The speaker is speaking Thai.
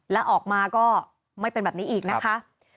แล้วออกมาก็ไม่เป็นแบบนี้อีกนะคะ